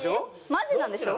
マジなんでしょ？